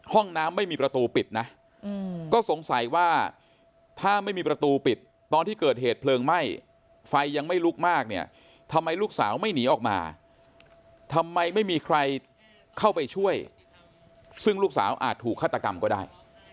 ห้องน้ำไม่มีประตูปิดนะก็สงสัยว่าถ้าไม่มีประตูปิดตอนที่เกิดเหตุเพลิงไหม้ไฟยังไม่ลุกมากเนี่ยทำไมลูกสาวไม่หนีออกมาทำไมไม่มีใครเข้าไปช่วยซึ่งลูกสาวอาจถูกฆาตกรรมก็ได้